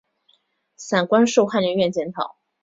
散馆授翰林院检讨。